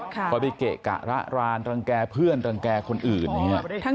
เขาไปเกะกะระรานรังแกเพื่อนรังแกคนอื่น